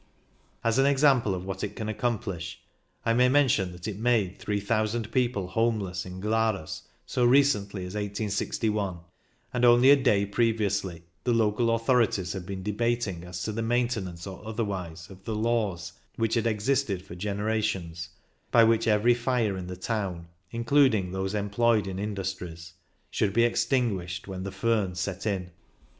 As an example of what it can accomplish, I may mention that it made 3,000 people home less in Glarus so recently as 1861, and only a day previously the local authorities had been debating as to the maintenance or otherwise of the laws which had existed for generations, by which every fire in the town, including those employed in indus tries, should be extinguished when the fdhn set in.